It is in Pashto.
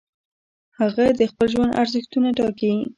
هغه د خپل ژوند ارزښتونه ټاکي.